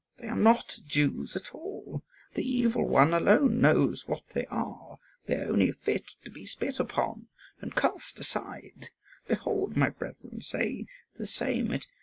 They are not Jews at all. The evil one alone knows what they are; they are only fit to be spit upon and cast aside. Behold, my brethren, say the same!